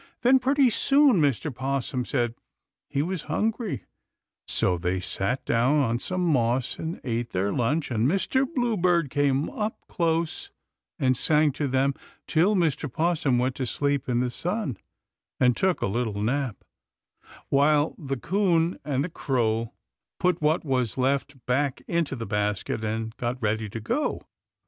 Then, pretty soon, Mr. 'Possum said he was hungry, so they sat down on some moss and ate their lunch, and Mr. Bluebird came up close and sang to them till Mr. 'Possum went to sleep in the sun and took a little nap, while the 'Coon and the Crow put what was left back into the basket and got ready to go.